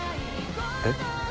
えっ？